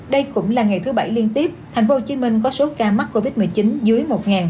đây cũng là ngày thứ bảy liên tiếp tp hcm có số ca mắc covid một mươi chín dưới một